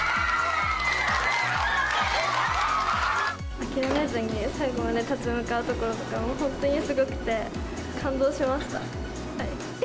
諦めずに最後まで立ち向かうところとかも、本当にすごくて、感動しました。